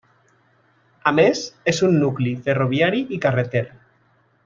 A més, és un nucli ferroviari i carreter.